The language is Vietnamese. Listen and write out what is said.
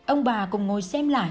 ông bà cùng ngồi xem lại